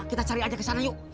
kita cari aja kesana yuk